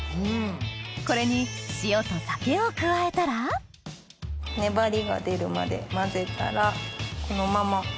これに塩と酒を加えたら粘りが出るまで混ぜたらこのまま。